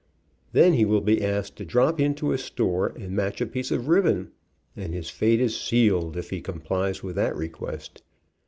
Then he will be asked to drop in to a store and match a piece of ribbon, and his fate is sealed if he complies with that request.